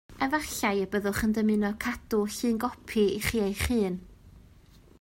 Efallai y byddwch yn dymuno cadw llungopi i chi eich hun